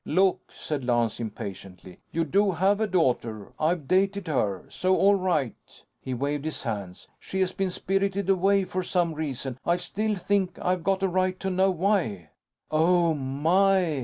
"Look," said Lance, impatiently. "You do have a daughter. I've dated her. So, all right," he waved his hands, "she's been spirited away for some reason. I still think I've got a right to know why." "Oh, my!"